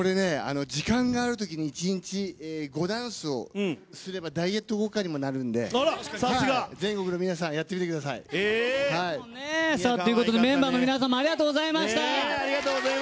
時間がある時に１日５ダンスをすればダイエット効果にもなるので全国の皆さんやってみてください。ということでメンバーの皆さんもありがとうございました。